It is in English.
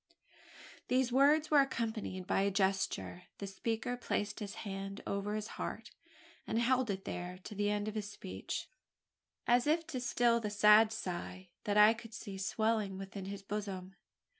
These words were accompanied by a gesture. The speaker placed his hand over his heart, and held it there to the end of his speech as if to still the sad sigh, that I could see swelling within his bosom.